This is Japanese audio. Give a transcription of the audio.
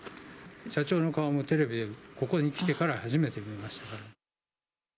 社長の顔もテレビで、ここに来てから初めて見ましたから。